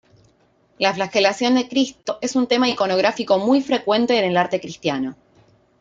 La flagelación de Cristo es un tema iconográfico muy frecuente en el arte cristiano.